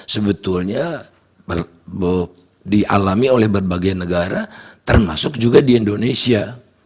sebetulnya dialami oleh berbagai negara termasuk juga di indonesia